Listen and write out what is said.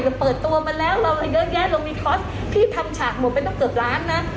เปิดตัวมาแล้วเราเยอะแยะเรามีคอร์สพี่ทำฉากหมดไปตั้งเกือบล้านนะ